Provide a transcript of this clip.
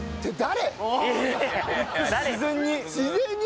自然に。